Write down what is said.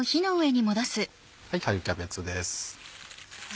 春キャベツです。